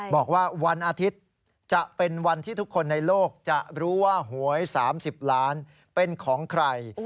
บอกว่าวันอาทิตย์จะเป็นวันที่ทุกคนในโลกจะรู้ว่าหวย๓๐ล้านเป็นของใคร